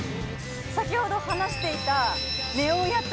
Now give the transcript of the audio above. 先ほど話していたネオ屋台。